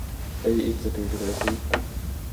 Ei itsetyytyväisyyttä.